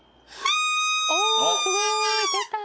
おすごいでた！